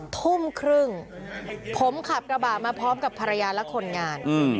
ทุ่มครึ่งผมขับกระบะมาพร้อมกับภรรยาและคนงาน